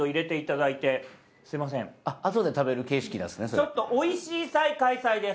ちょっとおいしい祭開催です。